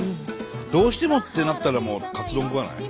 どうしてもってなったらもうカツ丼食わない？